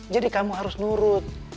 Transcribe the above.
jadi kamu harus nurut